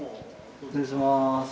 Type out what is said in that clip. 失礼します。